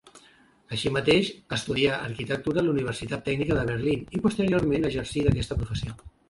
Així mateix estudià arquitectura a la Universitat Tècnica de Berlín i posteriorment exercí d'aquesta professió.